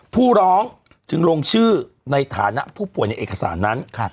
ผู้ร้องจึงลงชื่อในฐานะผู้ป่วยในเอกสารนั้น